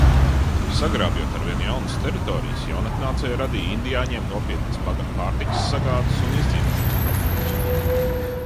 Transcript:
Sagrābjot arvien jaunas teritorijas, jaunatnācēji radīja indiāņiem nopietnas pārtikas sagādes un izdzīvošanas problēmas.